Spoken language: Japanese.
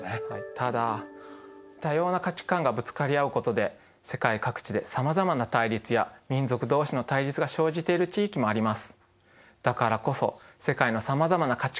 ただ多様な価値観がぶつかり合うことで世界各地でさまざまな対立や民族同士の対立が生じている地域もあります。